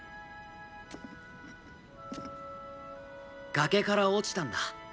崖から落ちたんだ。